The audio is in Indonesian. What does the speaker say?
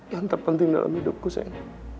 yang terpenting dalam hidupku saya